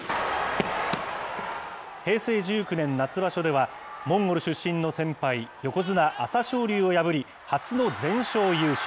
平成１９年夏場所ではモンゴル出身の先輩、横綱・朝青龍を破り、初の全勝優勝。